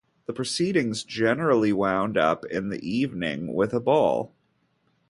The proceedings generally wound up in the evening with a ball.